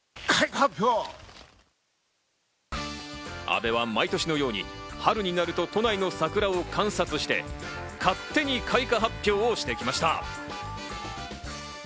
阿部は毎年のように、春になると都内の桜を観測して勝手に開花発表をしてきました。